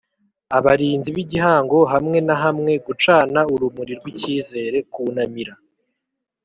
Abarinzi b igihango hamwe na hamwe gucana urumuri rw icyizere kunamira